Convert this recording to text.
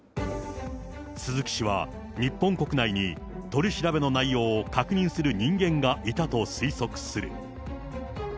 鈴木氏は、日本国内に取り調べの内容を確認する人間がいたと推測する。